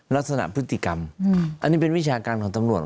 ลักษณะพฤติกรรมอันนี้เป็นวิชาการของตำรวจ